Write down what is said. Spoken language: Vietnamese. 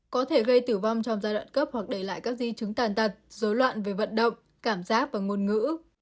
có thể gây tử vong trong giai đoạn cấp hoặc để lại các di chứng tàn tật dối loạn về vận động cảm giác và ngôn ngữ